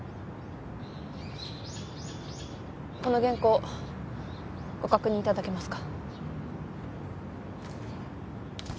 この原稿ご確認いただけますか？